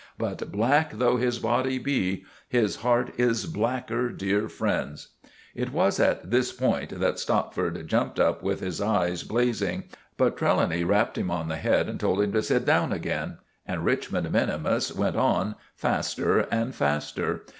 But black though his body may be, his heart is blacker, dear friends——" It was at this point that Stopford jumped up with his eyes blazing; but Trelawny rapped him on the head and told him to sit down again. And Richmond minimus went on faster and faster.